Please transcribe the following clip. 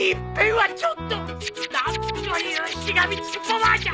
何というしがみつきパワーじゃ